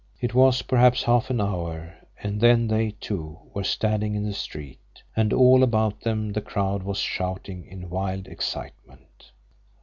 It was, perhaps, half an hour and then they, too, were standing in the street, and all about them the crowd was shouting in wild excitement.